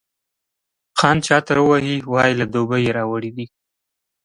خان چي عطر ووهي، وايي له دوبۍ یې راوړی دی.